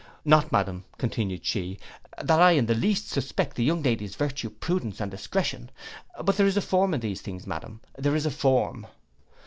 Not, Madam,' continued she, 'that I in the least suspect the young ladies virtue, prudence and discretion; but there is a form in these things, Madam, there is a form.